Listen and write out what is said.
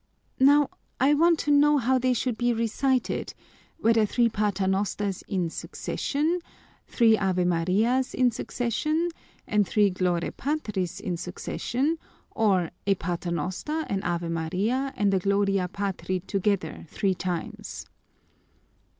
"Now I want to know how they should be recited: whether three paternosters in succession, three Ave Marias in succession, and three Gloria Patris in succession; or a paternoster, an Ave Maria, and a Gloria Patri together, three times?"